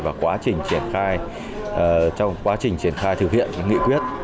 và quá trình triển khai trong quá trình triển khai thực hiện nghị quyết